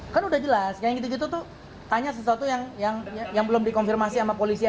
kan udah jelas kayak gitu gitu tuh tanya sesuatu yang belum dikonfirmasi sama polisi